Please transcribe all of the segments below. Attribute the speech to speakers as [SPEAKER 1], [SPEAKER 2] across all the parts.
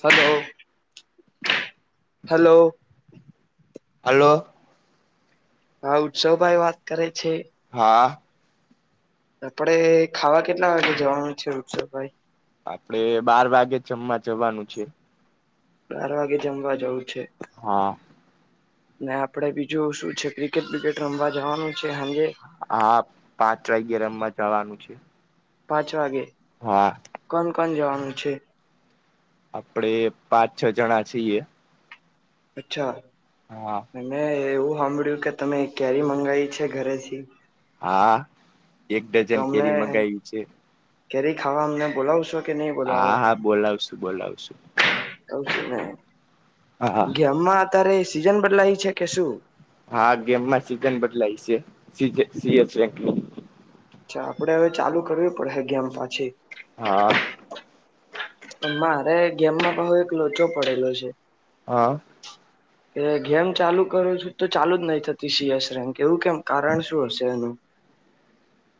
[SPEAKER 1] Hello hello
[SPEAKER 2] hello
[SPEAKER 1] હા ઉત્સવભાઈ વાત કરે છે?
[SPEAKER 2] હા
[SPEAKER 1] આપડે ખાવા કેટલા વાગે જવાનું છે ઉત્સવભાઈ?
[SPEAKER 2] આપડે બાર વાગે જમવા જવાનું છે.
[SPEAKER 1] બાર વાગે જમવા જવું છે.
[SPEAKER 2] હા.
[SPEAKER 1] ને આપડે બીજું શું છે ક્રિકેટ બિકેટ રમવા જવાનું છે સાંજે
[SPEAKER 2] હા પાંચ વાગે રમવા જવાનું છે.
[SPEAKER 1] પાંચ વાગે?
[SPEAKER 2] હા.
[SPEAKER 1] [unintelligible] કાન જવાનું છે?
[SPEAKER 2] આપડે પાંચ છ જણા છીએ
[SPEAKER 1] અચ્છા! મેં
[SPEAKER 2] [unintelligible]
[SPEAKER 1] એવું સાંભળ્યું કે તમે કેરી મંગાવી છે ઘરેથી?
[SPEAKER 2] હા. એક
[SPEAKER 1] તો
[SPEAKER 2] ડઝન
[SPEAKER 1] અમને
[SPEAKER 2] કેરી મગાઈ છે.
[SPEAKER 1] કેરી ખાવા અમને બોલાવ શો કે નહી બોલાવો.
[SPEAKER 2] હા હા બોલાવશું બોલાવશું હા
[SPEAKER 1] [unintelligible] અત્યારે સીઝન બદલાય છે કે શું
[SPEAKER 2] હા ગેમમાં સીઝન બદલાય છે સ
[SPEAKER 1] અચ્છા આપડે હવે ચાલુ કરવી પડેશે ગેમ પાછી.
[SPEAKER 2] હા
[SPEAKER 1] મારે ગેમમાં બહુ એક લોચો પડેલો છે
[SPEAKER 2] હા.
[SPEAKER 1] કે ગેમ ચાલુ કરું છું તો ચાલુ જ નહી થતી સીએશ રન કે એવું કેમ કારણ શું હશે એનું?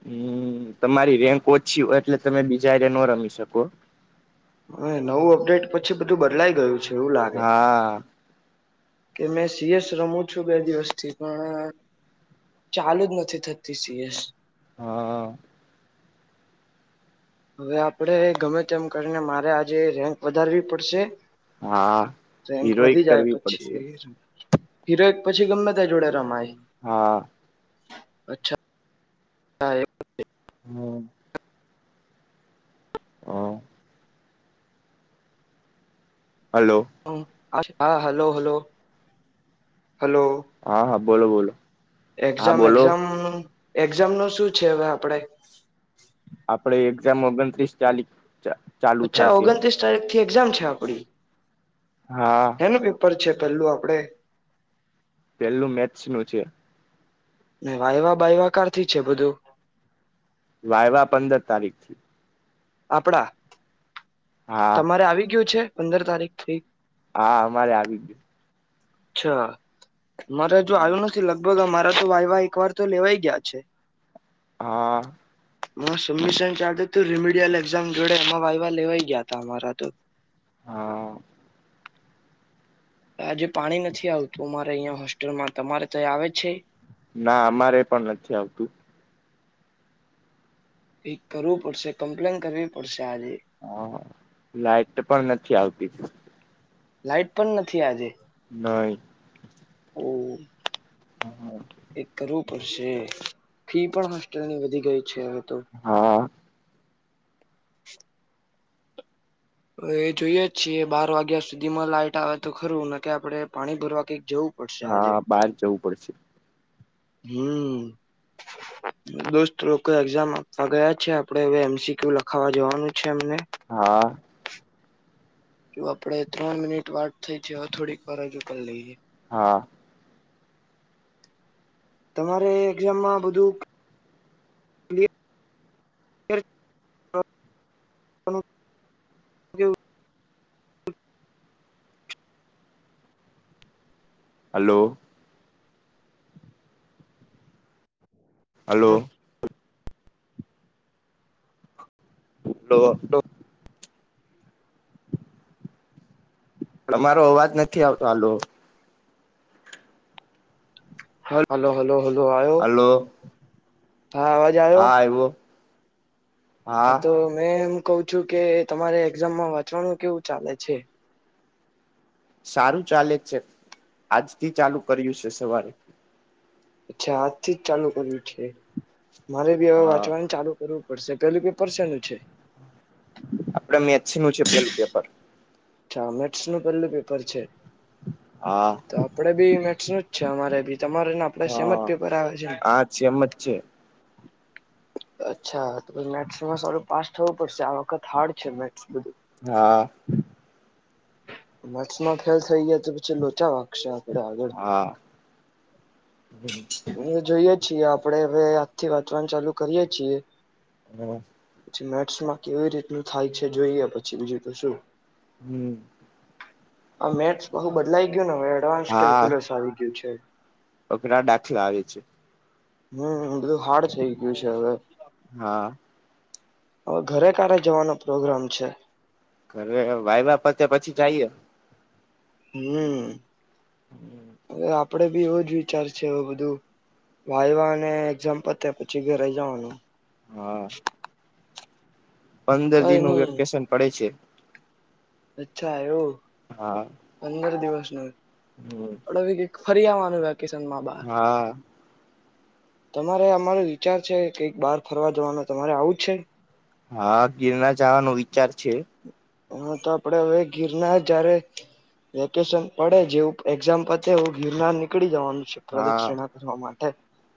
[SPEAKER 2] હમ્મ તમારી રેન્ક ઓછી હોય એટલે તમે બીજા ન રમી શકો.
[SPEAKER 1] હવે નવું અપડેટ પછી બધું બદલાઈ ગયું છે. એવું લાગે.
[SPEAKER 2] હા
[SPEAKER 1] કે મેં સીએસ રમું છું બે દિવસથી પણ ચાલુ જ નથી થતી સીએસ.
[SPEAKER 2] હા.
[SPEAKER 1] હવે આપડે ગમે તેમ કરીને મારે આજે રેન્ક વધારવી પડશે
[SPEAKER 2] હા
[SPEAKER 1] રેન્ક
[SPEAKER 2] હીરોઈ
[SPEAKER 1] વધી
[SPEAKER 2] કરવી પડશે
[SPEAKER 1] [unintelligible] હીરો એક પછી ગમે ત જોડે રમાય.
[SPEAKER 2] હા.
[SPEAKER 1] અચ્છા! હા એ
[SPEAKER 2] હમ્મ. હ. હલો?
[SPEAKER 1] હ હા હલો હલો હલો
[SPEAKER 2] હા હા બોલો, બોલો હા
[SPEAKER 1] એક્ઝામ,
[SPEAKER 2] બોલો
[SPEAKER 1] એક્ઝામ એક્ઝામ નું શું છે, હવે આપડે
[SPEAKER 2] આપડે એક્ઝામ ઓગણત્રીસ તાલી
[SPEAKER 1] અચ્છા, ઓગણત્રીસ તારીખ એક્ઝામ છે, આપડી
[SPEAKER 2] હા
[SPEAKER 1] હેનું પેપર છે પેલું આપડે
[SPEAKER 2] પેલું મેસ્ત નું છે
[SPEAKER 1] ને વાયવા બાયવાકારથી છે બધું
[SPEAKER 2] વાયવા પંદર તારીખ થી
[SPEAKER 1] આપણા
[SPEAKER 2] હા
[SPEAKER 1] તમારે આવી ગયું છે. પંદર તારીખ થી
[SPEAKER 2] હા અમારે આવી ગયું.
[SPEAKER 1] અચ્છા મારે હજુ
[SPEAKER 2] ગયું
[SPEAKER 1] આવ્યું નથી લગત બોલ અમારા તો વાયવા એક વાર તો લેવાય ગયા છે.
[SPEAKER 2] હા
[SPEAKER 1] હ સમ ચા તું ર એઝામ જોડે એ વાવા લેવાય ગયા હતા અમારા તો.
[SPEAKER 2] હા
[SPEAKER 1] આજે પાણી નથી આવતું મામારે અહંયા હોસ્ટેલમાં તમારે ત આવે છે.
[SPEAKER 2] ના અમારે પણ નથી આવતું.
[SPEAKER 1] કરવું પડશે કમ્પ્લેન કરવી પડશે. આજે
[SPEAKER 2] હા લાઈટ પણ નથી આવતી.
[SPEAKER 1] લાઈટ પણ નથી આજે.
[SPEAKER 2] ન
[SPEAKER 1] એક કરવું પડશે. ફી પણ હોસ્ટેલ ની વધી ગઈ છે હવે તો
[SPEAKER 2] હા
[SPEAKER 1] [inaudible] હવે એ જોઈએ જ છીએ બાર વાગ્યા સુધીમાં લાઈટ આવે તો ખરું ના કે આપડણે પાણી ભરવા કઈક જવું
[SPEAKER 2] હા બહાર જવું પડશે.
[SPEAKER 1] હમ્મ દોસ્ત લોકો એક્ઝામ આપવા ગયા છે આપડે હવે એમ સી ક્યુ લખાવા જવાનું છે. એમને
[SPEAKER 2] હા.
[SPEAKER 1] જો આપડે ત્રણ મિનિટ વાત થઈ છે હ થોડીક વારજૂ કરી લઈએ.
[SPEAKER 2] હા.
[SPEAKER 1] તમારે એક્ઝામમાં બધું હા હ જો
[SPEAKER 2] હલો. હલો. હલો. અમારો અવાજ નથી આવતો આલો
[SPEAKER 1] હ હલો હલો. હોલો આવ્યો?
[SPEAKER 2] હલો
[SPEAKER 1] હા અવાજ આવ્યો? હ
[SPEAKER 2] હા
[SPEAKER 1] તો મે એમ કઉ છું કે તમારે એક્ઝામમાં વાંચવાનું કેવું ચાલે છે.
[SPEAKER 2] સારું ચાલે છે આજથી ચાલુ કર્યું છે સવારે.
[SPEAKER 1] અચ્છા આજથી જ ચાલુ કર્યું છે. મારે બી હવે
[SPEAKER 2] હા
[SPEAKER 1] વાંચવાનું ચાલુ કરું પડશે પેલું પેપર છેનું છે?
[SPEAKER 2] મૈછ નું છે પેલું પેપર.
[SPEAKER 1] અચ્છા મેથ્સ નું પેલું પેપર છે.
[SPEAKER 2] હા
[SPEAKER 1] તો આપડે બી મેથસ નું જ છે અમારે બી. તમારેને આપડે સેમજ
[SPEAKER 2] હા
[SPEAKER 1] પેપર આવે છે ને.
[SPEAKER 2] હા સેમ જ છે
[SPEAKER 1] અચ્છા તો મેથસમાં સારું પાસ થવું પડશે આ વખત હાર્ડ છે મે
[SPEAKER 2] હા.
[SPEAKER 1] મટસમાં ફેલ થઈ ગયા તો પછી લોચા વાગશે. આગળ
[SPEAKER 2] હા
[SPEAKER 1] જોઈએ છીએ આપડણે હવે આજથી વાંચવાણ ચાલુ કરીએ છીએ.
[SPEAKER 2] હમ્મ.
[SPEAKER 1] પી મેથ્સમાં કેવી રીતનું થાય છે જોઈએ પછી બીજું તો શું.
[SPEAKER 2] હમ્મ.
[SPEAKER 1] આ મેથસ બહુ બદલાય ગયો ને? એડવાન્સ કેલ્ક્યુલેશ આવી ગયું છે.
[SPEAKER 2] ઓકરા દાખલા આવે છે.
[SPEAKER 1] હમ્મ બધું હાર્ડ થઈ ગયું છે હવે.
[SPEAKER 2] હા
[SPEAKER 1] હવે ઘરે ક્યારે જવાનો પ્રોગ્રામ છે?
[SPEAKER 2] હવે વાઈવા પટે પછી જઈએ
[SPEAKER 1] હમ્મ. આપ આપડે બી એવો જ વિચાર છે બધું વાઇવા ને એઝામ પત્યા પછી ઘરે જવાનું.
[SPEAKER 2] હા. પંદર
[SPEAKER 1] કઈ
[SPEAKER 2] દિનનું
[SPEAKER 1] નહી
[SPEAKER 2] વેકેશન પડે છે.
[SPEAKER 1] અચ્છા એવુ પંદર દિવસ [unintelligible]
[SPEAKER 2] હમ્મ
[SPEAKER 1] ફરીઆવાનું કિસનમાંબાર તમારે અમારો વિચાર છે કઈક બાર ફરવા જવાનું તમારે આવું જ છે
[SPEAKER 2] હા ગિરનાર જવાનો વિચાર છે
[SPEAKER 1] હા તો આપડે હવે ગીરનાર જયારે વેકેશન પડે જેવું એક્ઝામ પતે એવું ગીરનાર નીકળી જવાનું છે
[SPEAKER 2] હા
[SPEAKER 1] પ્રદક્ષિણા કરવા માટે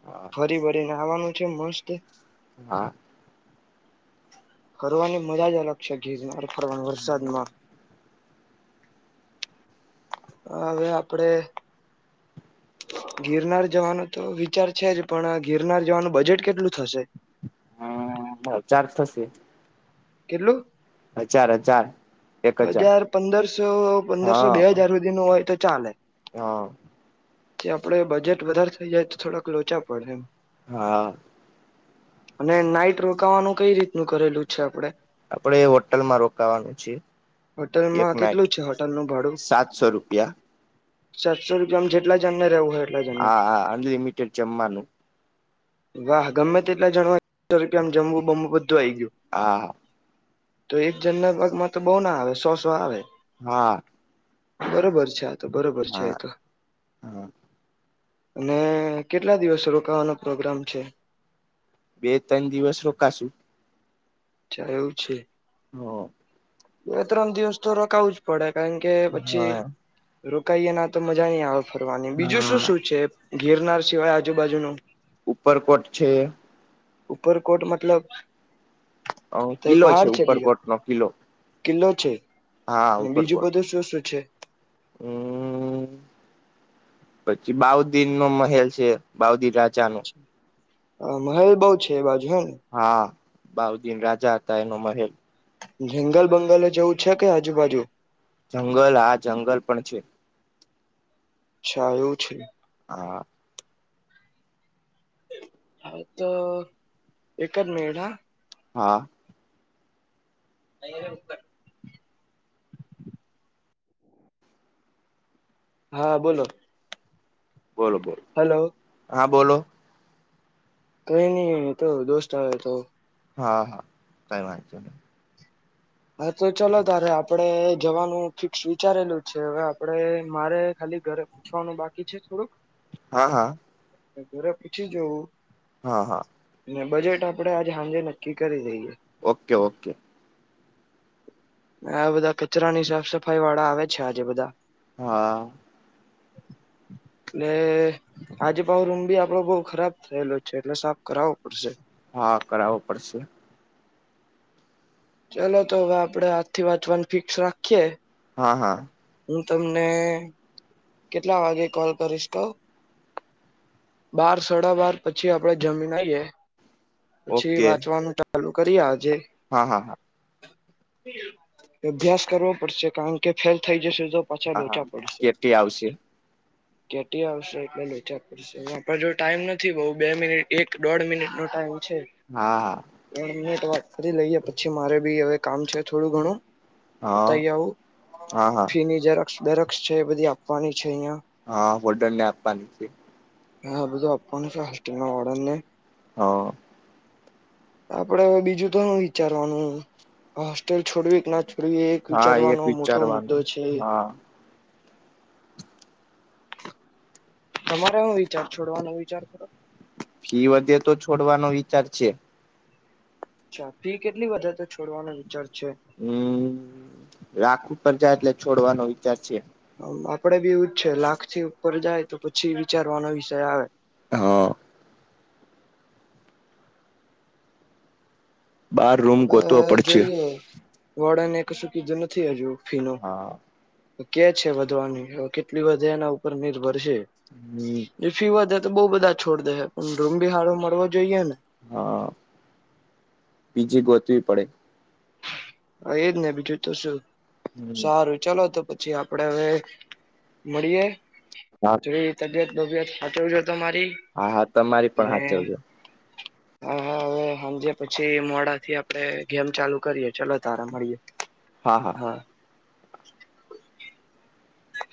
[SPEAKER 2] હા
[SPEAKER 1] ફરી વળને ખાવાનું છે મસ્ત
[SPEAKER 2] હા
[SPEAKER 1] ફરવાની મજા જ અલગ છે ગિરનાર વરસાદમાં હવે આપડે ગિરનાર જવાનો તો વિચાર છે જ પણ ગિરનાર જવાનું બજેટ કેટલું થશે
[SPEAKER 2] હમ્મ બ ચારસોં અસી
[SPEAKER 1] કેટલું
[SPEAKER 2] હજાર હજાર
[SPEAKER 1] હજાર પંદરસો.. પંદરસો
[SPEAKER 2] હા
[SPEAKER 1] બેહજાર સુધીનું હોય તો ચાલે
[SPEAKER 2] હા..
[SPEAKER 1] જે આપડે બજેટ વધારે થઇ જાય તો થોડાંક લોચા પડે એમ
[SPEAKER 2] હાં...
[SPEAKER 1] અને નાઈટ રોકાવાનું કઇરીતનું કરેલું છે આપણે
[SPEAKER 2] આપણે હોટલમાં રોકાવાનું છે. એક
[SPEAKER 1] હોટલમાં
[SPEAKER 2] નાઈટ
[SPEAKER 1] કેટલું છે હોટલનું ભાડું
[SPEAKER 2] સાતસો રૂપિયા
[SPEAKER 1] સાતસો રૂપિયામાં જેટલા જણને રહેવું હોય એટલા જણને
[SPEAKER 2] આ.. આ અનલિમિટેડ જમવાનું
[SPEAKER 1] વાહ! ગમે તેટલા જણા હોય [unintelligible] રૂપિયામાં જમવું બધુ શું રહી ગયું?
[SPEAKER 2] હા
[SPEAKER 1] તો એક જણાના ભાગમાં.... તો બહુના આવે સો-સો આવે..
[SPEAKER 2] હા...
[SPEAKER 1] બરોબર છે... અચ્છા તો બરોબર છે
[SPEAKER 2] હા
[SPEAKER 1] એતો..
[SPEAKER 2] હા
[SPEAKER 1] અને... કેટલા દિવસ રોકાવાનો પ્રોગ્રામ છે?
[SPEAKER 2] બે ત્રણ દિવસ રોકાશું..
[SPEAKER 1] અચ્છા.. એવું છે?
[SPEAKER 2] હ
[SPEAKER 1] બે-ત્રણ દિવસ તો.. રકાવું જ પડે! કારણકે પછી રોકાઈએ ના તો મજા નહી આવે ફરવાની બીજુ શું
[SPEAKER 2] હા
[SPEAKER 1] - શું છે? ગીરનાર સિવાય આજુ-બાજુનું
[SPEAKER 2] ઉપરકોટ છે...?
[SPEAKER 1] ઉપરકોટ મતલબ?
[SPEAKER 2] હ..
[SPEAKER 1] તે
[SPEAKER 2] કિલ્લો છે..
[SPEAKER 1] પહાડ બીજો
[SPEAKER 2] ઉપરકોટ નો કિલ્લો.
[SPEAKER 1] કિલ્લો છે? બીજુ બધું શું-શું છે?
[SPEAKER 2] હમ્મ... પછી બાઉદીનનો મહેલ છે બાઉદીન રાત [unintelligible]
[SPEAKER 1] હા મહેલ બહુ છે બાજુ.. હે ને
[SPEAKER 2] હા... બાઉદીન રાજા હતા એનો મહેલ.
[SPEAKER 1] જંગલ-બંગલએ જાવુ છે કે આજુબાજુ?
[SPEAKER 2] જંગલ હા જંગલ પણ છે.
[SPEAKER 1] અચ્છા એવું છે.
[SPEAKER 2] હા.
[SPEAKER 1] હા, તો એક જ મિનિટ હાં.
[SPEAKER 2] હા.
[SPEAKER 1] અહીં ઉપર હા, બોલો.
[SPEAKER 2] બોલો, બોલો,
[SPEAKER 1] હલો
[SPEAKER 2] હા. બોલો.
[SPEAKER 1] કંઈ નઈ તો દોસ્ત આવ્યો હતો.
[SPEAKER 2] હા, હા, કંઈ વાંધો નહીં.
[SPEAKER 1] હા, તો ચલો, તારે આપડે જવાનું ફિક્સ વિચારેલું છે. હવે આપડે મારે ખાલી ઘરે પૂછવાનું બાકી છે, થોડું
[SPEAKER 2] હા, હા.
[SPEAKER 1] ઘરે પૂછી જવું.
[SPEAKER 2] હા, હા.
[SPEAKER 1] અને બજેટ આપણે આજે હાંજે નક્કી કરી દઈએ.
[SPEAKER 2] Okay, okay.
[SPEAKER 1] આ બધા કચરાની સાફ-સફાઈ વાળા આવે છે આજે બધા.
[SPEAKER 2] હા.
[SPEAKER 1] એટલે આજે પાહો રૂમ ભી આપડો બહુ ખરાબ થયેલો છે, એટલે સાફ કરાવવો પડશે.
[SPEAKER 2] હા, કરાવો પડશે.
[SPEAKER 1] ચાલો, તો હવે આપડે આજથી વાંચવાનું ફિક્સ રાખીએ.
[SPEAKER 2] હા, હા.
[SPEAKER 1] હું તમને કેટલા વાગે કોલ કરીશ? તો બાર-સાડા બાર પછી આપડે જમીને આઈએ. પછી
[SPEAKER 2] ઓકે
[SPEAKER 1] વાંચવાનું ટ ચાલું કરી આજ.
[SPEAKER 2] હા, હા, હા.
[SPEAKER 1] અભ્યાસ કરવો પડશે, કારણ કે ફેલ થઈ જશે. તો પાછા
[SPEAKER 2] હા હા
[SPEAKER 1] લોચા પડશે.
[SPEAKER 2] કેટલી આવશે
[SPEAKER 1] કેટલી આવશે? એટલે લોચા પડશે, જો ટાઈમ નથી. બઉુ બે મિનિટ, એક દોઢ મિનિટ નો ટાઈમ. છે
[SPEAKER 2] હા હા
[SPEAKER 1] [unintelligible] વાત. ફરી લઈએ, પછી મારે બી હવે કામ છે થોડું ઘણું.
[SPEAKER 2] હા
[SPEAKER 1] થઈ આવો,
[SPEAKER 2] હા હા
[SPEAKER 1] થઈને જરાક. [inaudible] દર છે, બધી આપ. પાણી.
[SPEAKER 2] હા, હોલ્ડનને આપવાની છે.
[SPEAKER 1] હા, બધું આપવાનું છે હોસ્ટેલ વાળાને.
[SPEAKER 2] હા.
[SPEAKER 1] આપડે હવે બીજું તો શું વિચારવાનું? હોસ્ટેલ છોડવી કે ના? છોકરી, એક
[SPEAKER 2] હા એક
[SPEAKER 1] વિચારવાનો મોટો મુદ્દો
[SPEAKER 2] વિચારવાનું
[SPEAKER 1] છે.
[SPEAKER 2] હા
[SPEAKER 1] તમારે એ વિચાર છોડવાનો વિચાર ખરો?
[SPEAKER 2] ફી વધે, તો છોડવાનો વિચાર છે.
[SPEAKER 1] અચ્છા, ફી કેટલી વધે તો છોડવાનો? વિચાર છે
[SPEAKER 2] હમ રાખું પ જાય એટલે છોડવાનો વિચાર છે.
[SPEAKER 1] [unintelligible] આપડે બી એવું જ છે લાખ થી ઉપર જાય તો પછી વિચારવાનો વિષય આવે.
[SPEAKER 2] હા. બાર રૂમ ગોતવો
[SPEAKER 1] હવે
[SPEAKER 2] પડશે.
[SPEAKER 1] જોઈએ વોર્ડને કશું કીધું નથી હજુ. ફી નું
[SPEAKER 2] હા
[SPEAKER 1] કે છે વધવાની કેટલી વધે એના ઉપર નિર્ભર.
[SPEAKER 2] હમ
[SPEAKER 1] એ ફીવા તો બહુ બધા છોડ દે પણ રૂમ બી હાડ મળવો. જોઈએ હવે
[SPEAKER 2] હા, બીજી ગોતવી પડે
[SPEAKER 1] હ, એજ ને બીજું તો શું સારું, ચાલો તો પ પછી, આપડે હવે મળીએ
[SPEAKER 2] હા
[SPEAKER 1] જોઈએ તબિયત કોઈ દિવસ સાચવજે
[SPEAKER 2] હા હા તમારી પણ હાચવજો.
[SPEAKER 1] હા હ હવે સાંજે પછી મોડાથી આપડે ગેમ ચાલુ કરીએ ચાલ. તારે મળીએ.
[SPEAKER 2] હા હા.
[SPEAKER 1] [unintelligible]